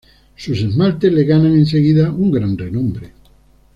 Sus esmaltes le ganan enseguida un gran renombre.